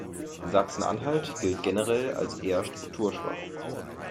Sachsen-Anhalt gilt generell als eher strukturschwach.